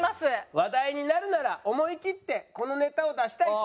話題になるなら思い切ってこのネタを出したいと。